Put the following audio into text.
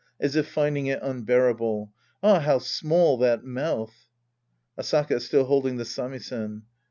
{As if finding it unbearable!) Ah, how small that mouth ! Asaka {still holding the samisen).